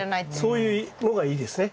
そういうのがいいですね。